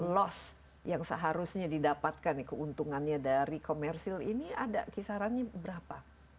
loss yang seharusnya didapatkan keuntungannya dari komersil ini ada kisarannya berapa